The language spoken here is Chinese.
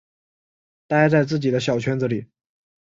待在自己的小圈子里